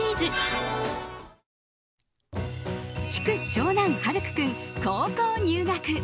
長男・晴空君、高校入学。